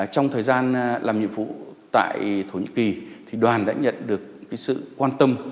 trong thời gian làm nhiệm vụ tại thổ nhĩ kỳ đoàn đã nhận được sự quan tâm